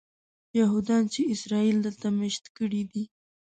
یهودیان چې اسرائیل دلته مېشت کړي دي.